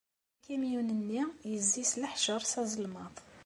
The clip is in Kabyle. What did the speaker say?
Akamyun-nni yezzi s leḥceṛ s azelmaḍ.